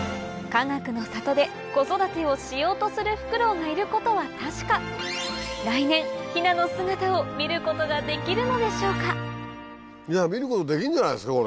かがくの里で子育てをしようとするフクロウがいることは確か来年ヒナの姿を見ることができるのでしょうか見ることできんじゃないですか